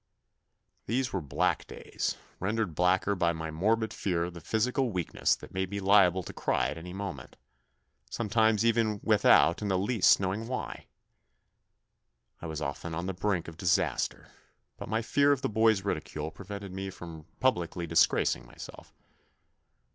These were black days, rendered blacker by my morbid fear of the physical weakness that made me liable to cry at any moment, sometimes even without in the least know ing why. I was often on the brink of disaster, but my fear of the boys' ridicule prevented me from publicly disgracing my self.